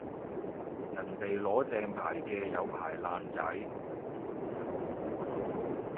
人哋攞正牌嘅有牌爛仔